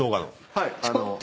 はい。